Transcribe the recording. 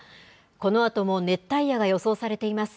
このあとも熱帯夜が予想されています。